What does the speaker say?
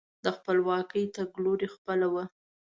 د خپلواکۍ تګلوري خپله وه.